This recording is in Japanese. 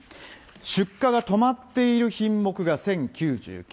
出荷が止まっている品目が１０９９。